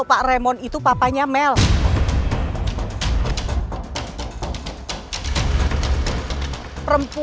aku gak ngerti maksudnya tante